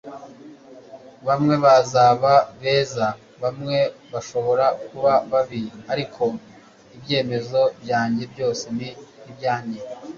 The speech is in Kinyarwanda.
bamwe bazaba beza, bamwe bashobora kuba babi, ariko ibyemezo byanjye byose ni ibyanjye